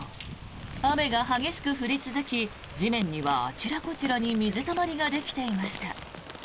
雨が激しく降り続き地面には、あちらこちらに水たまりができていました。